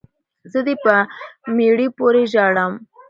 ـ زه دې په مړي پورې ژاړم،